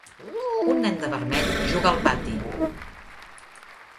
Un nen de vermell juga al pati.